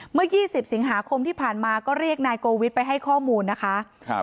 เมื่อ๒๐สิงหาคมที่ผ่านมาก็เรียกนายโกวิทไปให้ข้อมูลนะคะครับ